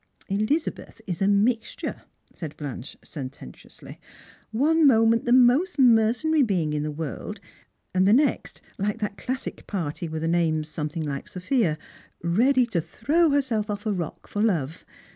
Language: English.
" Elizabeth is a mixture," said Blanche sententiously ;" one moment the most mercenary being in the world, and the next like that classic party, with a name something like Sophia, ready to throw herself off a rock for love.